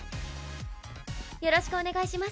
よろしくお願いします。